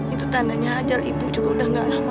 itu tandanya ajar ibu juga udah gak lama